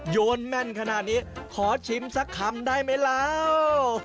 โยนแม่นขนาดนี้ขอชิมสักคำได้ไหมล่ะ